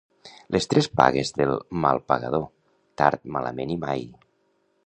Les tres pagues del mal pagador; tard, malament i mai.